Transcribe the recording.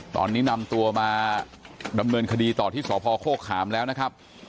ตอนนี้นำตัวมาดำเนินคดีต่อที่สพโฆขามแล้วนะครับ